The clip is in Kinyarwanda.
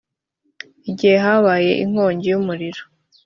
igihe habaye inkongi y’ umuriro